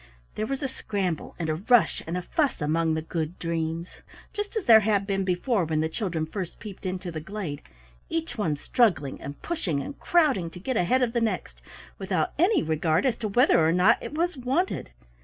There was a scramble and a rush and a fuss among the Good Dreams, just as there had been before when the children first peeped into the glade, each one struggling and pushing and crowding to get ahead of the next, without any regard as to whether or not it was wanted.